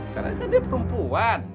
karna kan dia perempuan